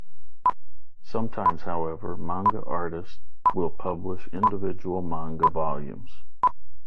Sometimes, however, manga artist will publish individual manga volumes.